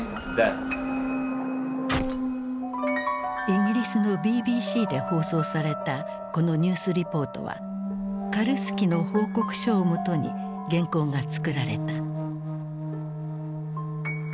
イギリスのＢＢＣで放送されたこのニュースリポートはカルスキの報告書をもとに原稿が作られた。